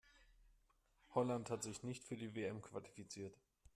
Holland hat sich nicht für die WM qualifiziert.